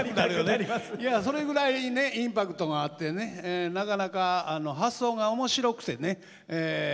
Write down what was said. いやそれぐらいねインパクトがあってねなかなか発想が面白くてねえ